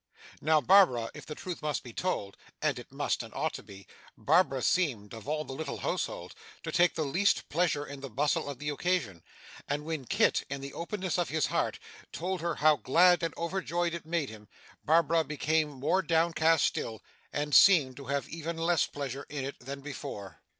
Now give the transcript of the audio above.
Now, Barbara, if the truth must be told as it must and ought to be Barbara seemed, of all the little household, to take least pleasure in the bustle of the occasion; and when Kit, in the openness of his heart, told her how glad and overjoyed it made him, Barbara became more downcast still, and seemed to have even less pleasure in it than before!